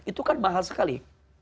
itu kan mahal sekali